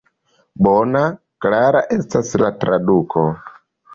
Bona, klara estas la traduko.